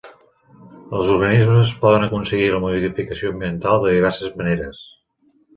Els organismes poden aconseguir la modificació ambiental de diverses maneres.